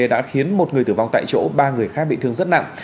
đã khiến một người tử vong tại chỗ ba người khác bị thương rất nặng